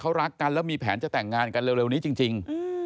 เขารักกันแล้วมีแผนจะแต่งงานกันเร็วนี้จริง